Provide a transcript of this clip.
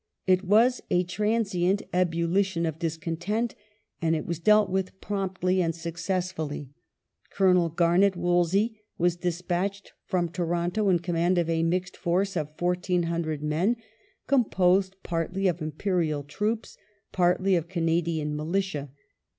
It was a transient ebullition of discontent, and it was dealt with promptly and successfully. Colonel Garnet Wolseley was despatched from Toronto in command of a mixed force of 1,400 men, composed partly of Imperial troops, partly ol" Canadian Militia.